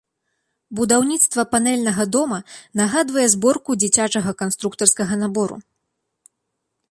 Будаўніцтва панэльнага дома нагадвае зборку дзіцячага канструктарскага набору.